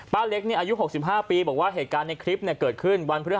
ป้าเล็กอายุ๖๕ปีบอกว่าเหตุการณ์ในคลิปเนี่ยเกิดขึ้น